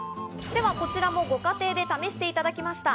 では、こちらもご家庭で試していただきました。